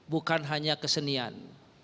bukan hanya kesenian